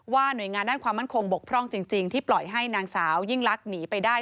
หน่วยงานด้านความมั่นคงบกพร่องจริงที่ปล่อยให้นางสาวยิ่งลักษณ์หนีไปได้